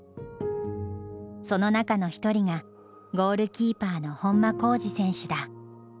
その中の一人がゴールキーパーの本間幸司選手だ。